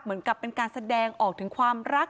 เหมือนกับเป็นการแสดงออกถึงความรัก